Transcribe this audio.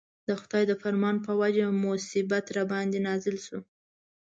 د خدای د فرمان په وجه مصیبت راباندې نازل شو.